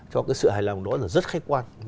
cho cái sự hài lòng đó là rất khách quan